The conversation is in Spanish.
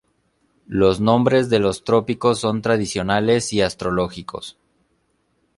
Los nombres de los trópicos son tradicionales y astrológicos.